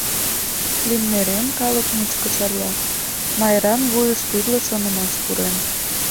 Лӱмнерем калык мучко шарла», — Майран вуйыш тӱрлӧ шонымаш пурен.